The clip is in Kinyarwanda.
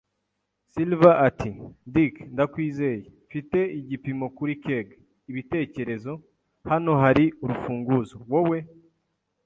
Silver ati: "Dick, ndakwizeye. Mfite igipimo kuri keg, ibitekerezo. Hano hari urufunguzo; wowe